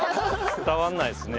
伝わらないですね。